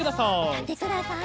たってください。